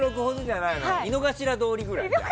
井の頭通りぐらい？